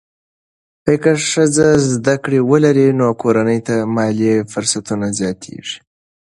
که ښځه زده کړه ولري، نو کورنۍ ته مالي فرصتونه زیاتېږي.